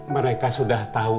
mereka sudah tau